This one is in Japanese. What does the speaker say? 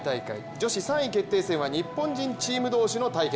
女子３位決定戦は日本人チーム同士の対決。